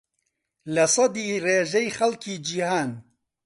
لەسەدی ڕێژەی خەڵکی جیھان